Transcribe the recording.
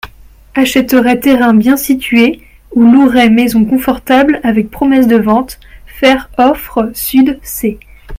Achèterait terrain bien situé ou louerait maison confortable avec promesse de vente, faire offre sudC.